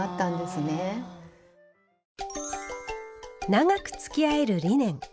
長くつきあえるリネン。